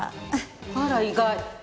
あら意外。